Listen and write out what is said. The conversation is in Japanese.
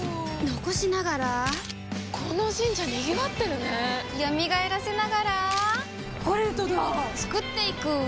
残しながらこの神社賑わってるね蘇らせながらコレドだ創っていく！